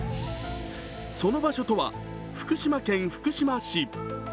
その場所とは、福島県福島市。